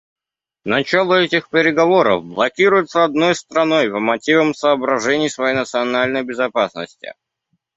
Начало этих переговоров блокируется одной страной по мотивам соображений своей национальной безопасности.